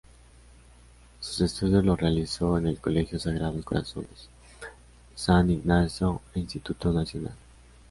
Sus estudios los realizó en el Colegio Sagrados Corazones, San Ignacio e Instituto Nacional.